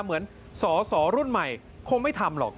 เหมือนสอสอรุ่นใหม่คงไม่ทำหรอก